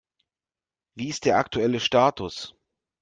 Wie ist der aktuelle Status?